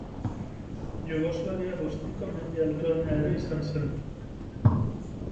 Jugoslavia guztiko mendi altuena ere izan zen.